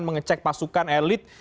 mengecek pasukan elit